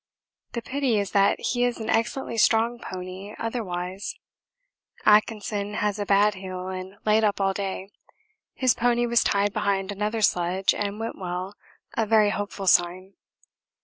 The pity is that he is an excellently strong pony otherwise. Atkinson has a bad heel and laid up all day his pony was tied behind another sledge, and went well, a very hopeful sign.